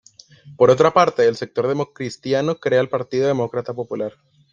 Por otra parte, el sector democristiano crea el Partido Demócrata Popular.